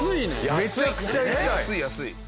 めちゃくちゃ行きたい！